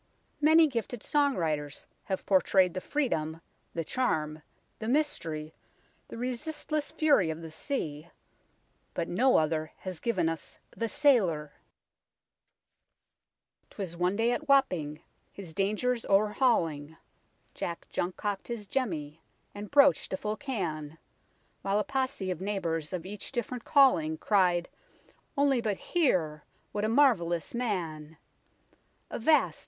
Many gifted song writers have pourtrayed 120 UNKNOWN LONDON the freedom, the charm, the mystery, the resist less fury of the sea, but no other has given us the sailor ' 'Twas one day at Wapping, his dangers o'erhauling, Jack Junk cock'd his jemmy, and broach'd a full can. While a posse of neighbours, of each diff'rent calling, Cried ' Only but hear ! what a marvellous man ;'' Avast